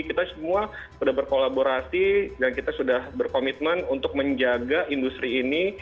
kita semua sudah berkolaborasi dan kita sudah berkomitmen untuk menjaga industri ini